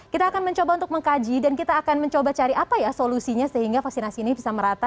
kita akan mencoba untuk mengkaji dan kita akan mencoba cari apa ya solusinya sehingga vaksinasi ini bisa merata